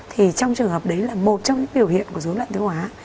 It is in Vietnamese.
thì trong trường hợp đấy là một trong những biểu hiện của dấu lận tiêu hóa